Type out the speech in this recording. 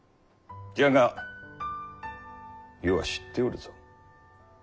じゃが余は知っておるぞ。